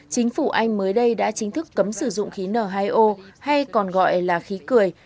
chính phủ anh mới đây đã chính thức cấm sử dụng khí n hai o hay còn gọi là khí cười